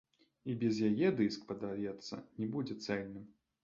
І без яе дыск, падаецца, не будзе цэльным.